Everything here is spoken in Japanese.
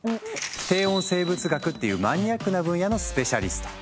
低温生物学っていうマニアックな分野のスペシャリスト。